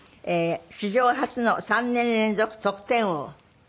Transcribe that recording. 史上初の３年連続得点王。